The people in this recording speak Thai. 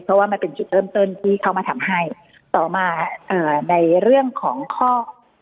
เพราะว่ามันเป็นจุดเริ่มต้นที่เขามาทำให้ต่อมาเอ่อในเรื่องของข้อ